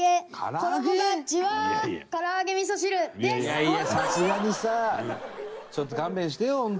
いやいやさすがにさちょっと勘弁してよ本当。